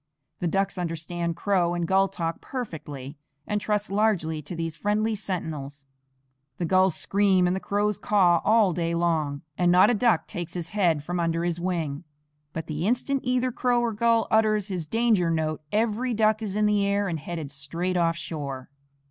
The ducks understand crow and gull talk perfectly, and trust largely to these friendly sentinels. The gulls scream and the crows caw all day long, and not a duck takes his head from under his wing; but the instant either crow or gull utters his danger note every duck is in the air and headed straight off shore.